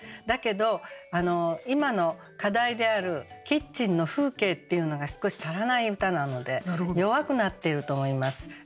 だけど今の課題であるキッチンの風景っていうのが少し足らない歌なので弱くなってると思います。